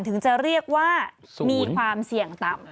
ถึงจะเรียกว่ามีความเสี่ยงต่ำ